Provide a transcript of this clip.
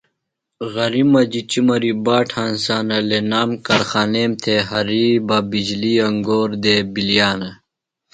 غری مجیۡ چِمری بٹہ ہنسانہ لنام کارخانیم تھےۡ ہریۡ بہ بِجلی انگورہ دےۡ بِلیانہ۔